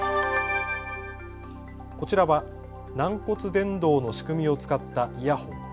こちらは軟骨伝導の仕組みを使ったイヤホン。